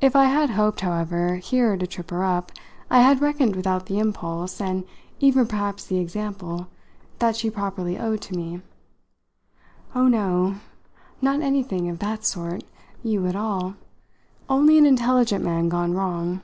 If I had hoped, however, here to trip her up, I had reckoned without the impulse, and even perhaps the example, that she properly owed to me. "Oh, no not anything of that sort, you, at all. Only an intelligent man gone wrong."